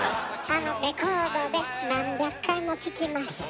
レコードで何百回も聴きました。